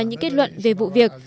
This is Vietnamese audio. những kết luận về vụ việc